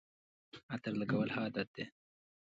عطر لګول ښه عادت دی